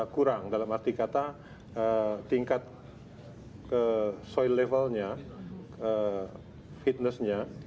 kurang dalam arti kata tingkat ke soil levelnya fitnessnya